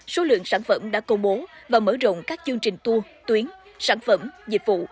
số lượng sản phẩm đã công bố và mở rộng các chương trình tour tuyến sản phẩm dịch vụ